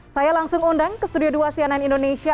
saya langsung undang ke studio dua cnn indonesia